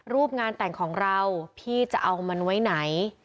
รูปงานแต่งของเราพี่จะเอามันไว้ไหน